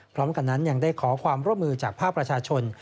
พร้อมกันนั้นยังได้ขอความร่วมมือจากภาคประชาชน